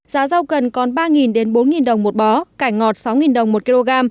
giá rau cần còn ba bốn đồng một bó cải ngọt sáu đồng một kg